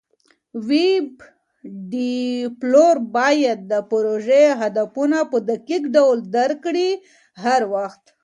ویب ډیولپر باید د پروژې هدفونه په دقیق ډول درک کړي هر وخت.